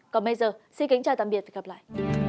còn bây giờ xin kính chào tạm biệt và hẹn gặp lại